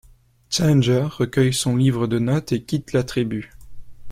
Challenger recueille son livre de notes et quitte la tribu.